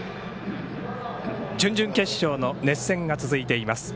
準々決勝の熱戦が続いています。